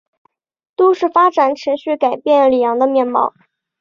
都市发展持续改变里昂的面貌。